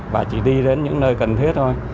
và chỉ đi đến những nơi cần thiết thôi